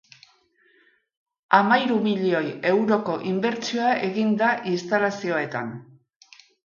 Hamahiru milioi euroko inbertsioa egin da instalazioetan.